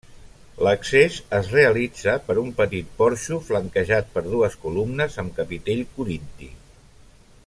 L'accés es realitza per un petit porxo flanquejat per dues columnes amb capitell corinti.